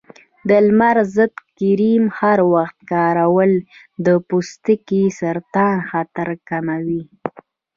د لمر ضد کریم هر وخت کارول د پوستکي د سرطان خطر کموي.